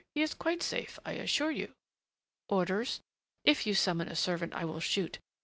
He is quite safe, I assure you." "Orders? If you summon a servant I will shoot.